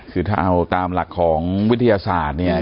คือถ้าเอาตามหลักของวิทยาศาสตร์เนี่ย